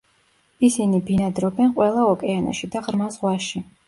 ისინი ბინადრობენ ყველა ოკეანეში და ღრმა ზღვაში.